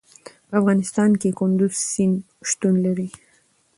په افغانستان کې کندز سیند شتون لري.